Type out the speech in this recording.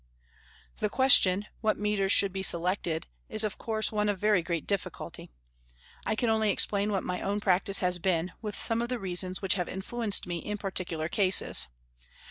The question, what metres should be selected, is of course one of very great difficulty. I can only explain what my own practice has been, with some of the reasons which have influenced me in particular cases.